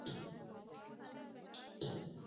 له دې جوړښتونو څخه کلتورونه وزېږېدل.